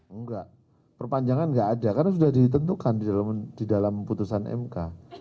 enggak perpanjangan nggak ada karena sudah ditentukan di dalam putusan mk